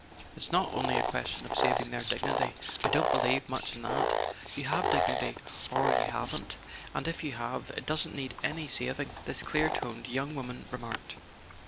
"It's not only a question of saving their dignity: I don't believe much in that. You have dignity or you haven't—and if you have, it doesn't need any sav¬ ing," this clear toned young woman remarked.